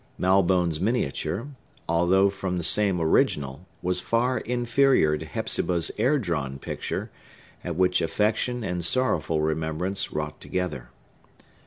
Malbone's miniature, though from the same original, was far inferior to Hepzibah's air drawn picture, at which affection and sorrowful remembrance wrought together.